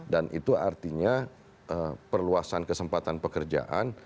dan itu artinya perluasan kesempatan pekerjaan